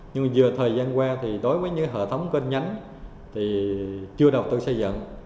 nhưng giờ thời gian qua thì đối với những hợp thống kênh nhánh thì chưa đầu tư xây dựng